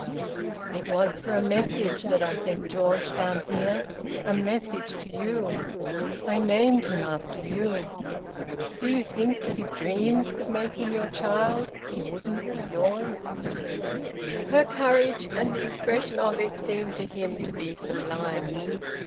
... It was for a message that I sent George down here a message to you! I named him after you... Do you think that if dreams could make him your child he wouldn't be yours?" Her courage, and the expression of it, seemed to him to be sublime.